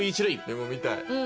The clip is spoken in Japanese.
「でも見たい」